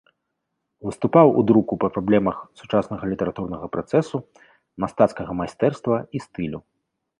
Выступаў у друку па праблемах сучаснага літаратурнага працэсу, мастацкага майстэрства і стылю.